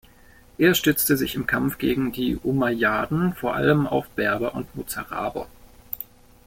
Er stützte sich im Kampf gegen die Umayyaden vor allem auf Berber und Mozaraber.